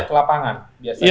termasuk cek lapangan biasanya